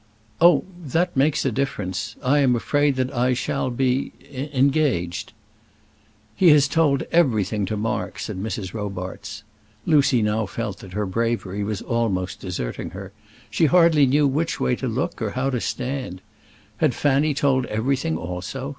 "Oh; that makes a difference. I am afraid that I shall be engaged." "He has told everything to Mark," said Mrs. Robarts. Lucy now felt that her bravery was almost deserting her. She hardly knew which way to look or how to stand. Had Fanny told everything also?